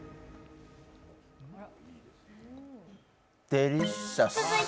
デリシャス。